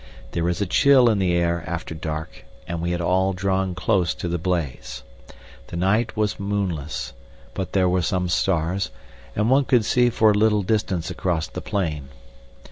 There is a chill in the air after dark, and we had all drawn close to the blaze. The night was moonless, but there were some stars, and one could see for a little distance across the plain.